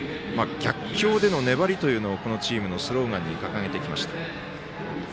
逆境への粘りをこのチームのスローガンに掲げてきました。